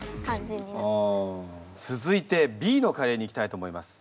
続いてＢのカレーにいきたいと思います。